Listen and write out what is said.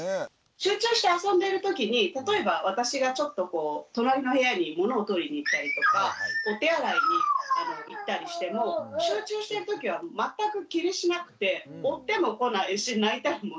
集中して遊んでる時に例えば私がちょっとこう隣の部屋に物を取りに行ったりとかお手洗いに行ったりしても集中してる時は全く気にしなくて追ってもこないし泣いたりもしないんです。